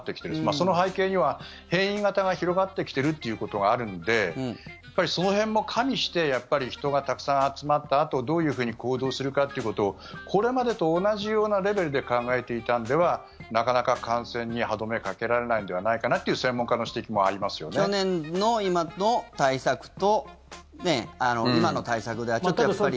その背景には変異型が広がってきているということがあるのでその辺も加味して人がたくさん集まったあとどういうふうに行動するかということをこれまでと同じようなレベルで考えていたのではなかなか感染に歯止めをかけられないのではないかなという去年の今の対策と今の対策ではちょっとやっぱり。